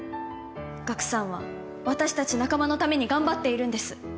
ガクさんは私たち仲間のために頑張っているんです